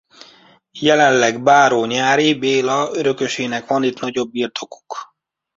Jelenleg báró Nyáry Béla örököseinek van itt nagyobb birtokuk.